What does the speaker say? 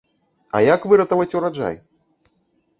А як выратаваць ураджай?